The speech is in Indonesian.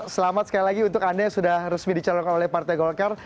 selamat sekali lagi untuk anda yang sudah resmi dicalonkan oleh partai golkar